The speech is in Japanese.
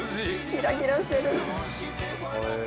キラキラしてる。